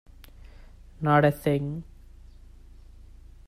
Not a thing.